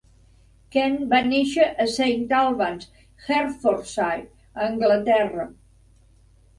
Kent va néixer a Saint Albans (Hertfordshire), a Anglaterra.